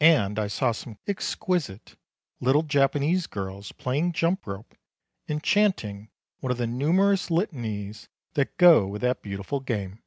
And I saw some exquisite little Japanese girls playing jump rope and chanting one of the numerous litanies that go with that beautiful game.